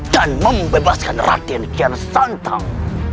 dan membebaskan raden kian santang